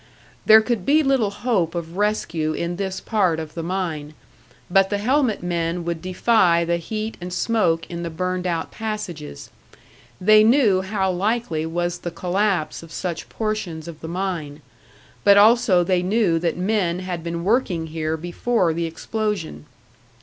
There could be little hope of rescue in this part of the mine, but the helmet men would defy the heat and smoke in the burned out passages. They knew how likely was the collapse of such portions of the mine; but also they knew that men had been working here before the explosion.